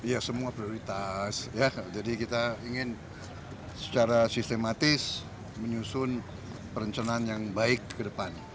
ya semua prioritas jadi kita ingin secara sistematis menyusun perencanaan yang baik ke depan